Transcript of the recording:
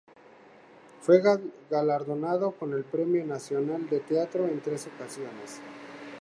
Fue galardonado con el Premio Nacional de Teatro en tres ocasiones.